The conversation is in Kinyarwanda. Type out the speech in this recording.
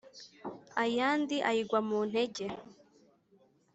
ayandi ayigwa mu ntege